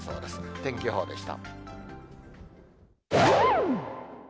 天気予報でした。